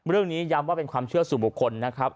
เรื่องนี้ย้ำว่าเป็นความเชื่อสู่บุคคลนะครับ